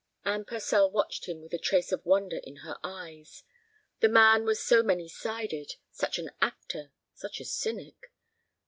Anne Purcell watched him with a trace of wonder in her eyes. The man was so many sided, such an actor, such a cynic.